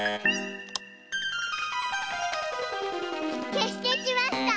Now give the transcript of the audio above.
けしてきました。